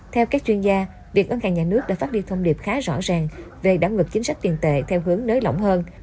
theo các chuyên gia việc ấn khai nhà nước đã phát đi thông điệp khá rõ ràng về đảm ngực chính sách tiền tệ theo hướng nới lỏng hơn